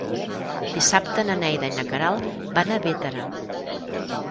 Dissabte na Neida i na Queralt van a Bétera.